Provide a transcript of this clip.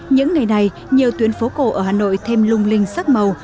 những ngày này nhiều tuyến phố cổ ở hà nội thêm lung linh sắc màu